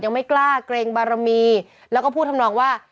ยังไม่กล้าเกรงบารมีแล้วก็พูดทำนองว่า